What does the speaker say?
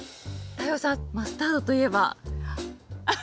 太陽さんマスタードといえば。